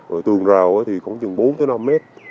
rồi tường rào thì khoảng chừng bốn năm mét